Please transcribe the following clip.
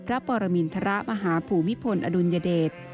พระปริมิณฑรามหาภูมิพลอดุลยเดช